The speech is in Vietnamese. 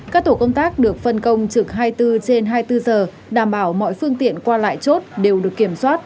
các tổ công tác được phân công trực hai mươi bốn trên hai mươi bốn giờ đảm bảo mọi phương tiện qua lại chốt đều được kiểm soát